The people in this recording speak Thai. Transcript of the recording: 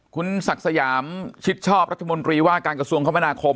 ขุนศักดีสยามชิดชอบรัฐมนิวราคากรกรทางกระทรวงคมธนาคม